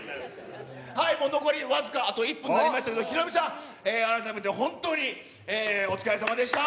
はい、もう残り僅か、あと１分になりましたので、ヒロミさん、改めて本当にお疲れさまでした。